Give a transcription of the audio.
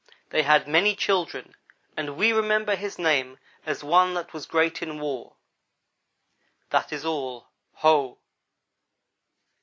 They had many children, and we remember his name as one that was great in war. That is all Ho!"